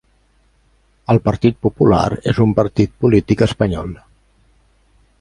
El Partit Popular és un partit polític espanyol